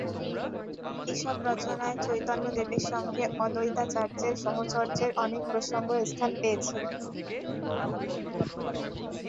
এসব রচনায় চৈতন্যদেবের সঙ্গে অদ্বৈতাচার্যের সাহচর্যের অনেক প্রসঙ্গ স্থান পেয়েছে।